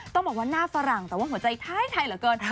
ต้องบอกว่าหน้าฝรั่งแต่ว่าหัวใจท้ายไทยเหลือเกิน